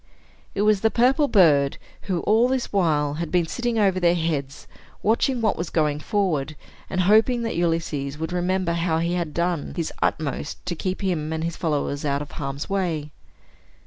It was the purple bird, who, all this while, had been sitting over their heads, watching what was going forward, and hoping that Ulysses would remember how he had done his utmost to keep him and his followers out of harm's way.